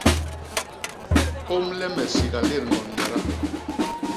Ômle me sigalét ñgond yada!